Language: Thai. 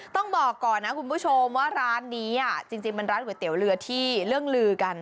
ต้องบอกก่อนนะคุณผู้ชมว่าร้านนี้จริงเป็นร้านก๋วยเตี๋ยวเรือที่เรื่องลือกัน